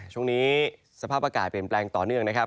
ช่วงนี้สภาพอากาศเปลี่ยนแปลงต่อเนื่องนะครับ